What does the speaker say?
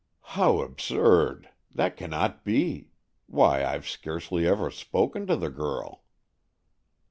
"How absurd! That cannot be. Why, I've scarcely ever spoken to the girl."